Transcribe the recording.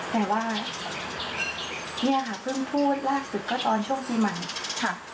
แต่ว่าเนี่ยค่ะเพิ่งพูดล่าสุดก็ตอนช่วงปีใหม่ค่ะ